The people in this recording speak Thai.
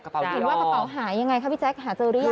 เห็นว่ากระเป๋าหายยังไงคะพี่แจ๊คหาเจอหรือยัง